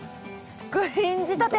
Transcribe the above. スクリーン仕立て！